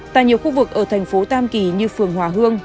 tại nhiều khu vực ở thành phố tam kỳ như phường hòa hương